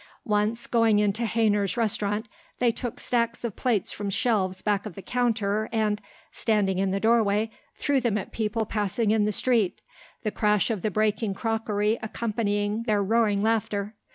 Once, going into Hayner's restaurant, they took stacks of plates from shelves back of the counter and, standing in the doorway, threw them at people passing in the street, the crash of the breaking crockery accompanying their roaring laughter.